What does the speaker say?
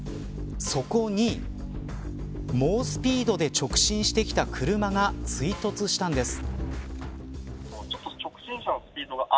そこに猛スピードで直進してきた車が追突したんです。